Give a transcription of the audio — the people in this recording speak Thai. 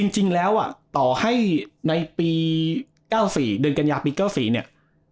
จริงแล้วต่อให้ในปี๙๔เดือนกันยาปี๙๔เนี่ย